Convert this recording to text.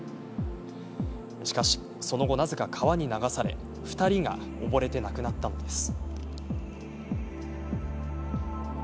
しかし、その後なぜか川に流され２人が溺れて亡くなったのです。